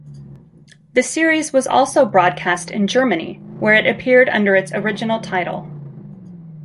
The series was also broadcast in Germany, where it appeared under its original title.